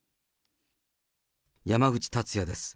山口達也です。